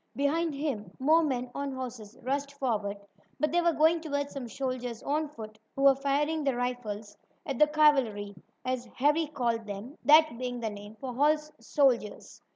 Behind him more men on horses rushed forward, but they were going toward some soldiers on foot, who were firing their rifles at the "cavalry," as Harry called them, that being the name for horse soldiers.